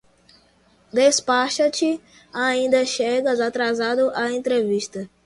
Despacha-te, ainda chegas atrasado à entrevista!